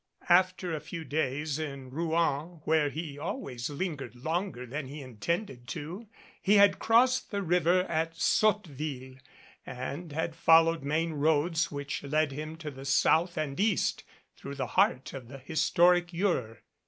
After a few days in Rouen, where he always lingered longer than he intended to, he had crossed the river at Sotteville and had followed main roads which led him to the south and east through the heart of the historic Eure.